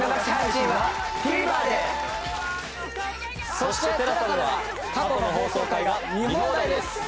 そしてＴＥＬＡＳＡでは過去の放送回が見放題です！